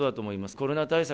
コロナ対策